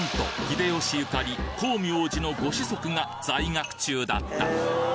秀吉ゆかり光明寺のご子息が在学中だった！